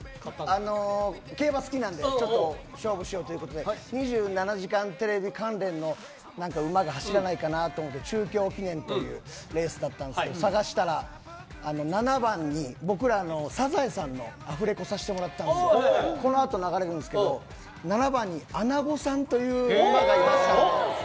競馬好きなので勝負しようということで「２７時間テレビ」関連の馬が走らないかなと思って中京記念というレースだったんですけど探したら、７番に僕らの「サザエさん」のアフレコさせてもらったのでこのあと流れるんですけど７番にアナゴサンという馬がいまして。